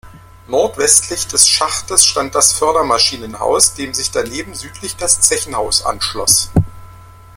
Nordwestlich des Schachtes stand das Fördermaschinenhaus, dem sich daneben südlich das Zechenhaus anschloss.